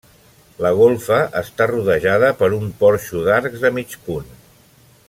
La golfa està rodejada per un porxo d'arcs de mig punt.